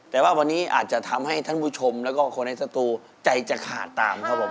แต่ว่าวันนี้อาจจะทำให้ท่านผู้ชมแล้วก็คนในสตูใจจะขาดตามครับผม